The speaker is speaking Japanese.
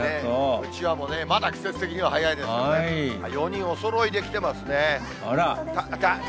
うちわもね、まだ季節的には早いですけど、４人おそろいで来てますね。